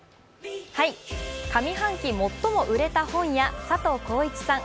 上半期最も売れた本や佐藤浩市さん